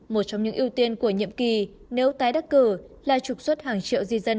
một trong những ưu tiên của nhiệm kỳ nếu tái đắc cử là trục xuất hàng triệu di dân